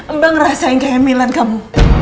mbak ngerasain kayak milan kamu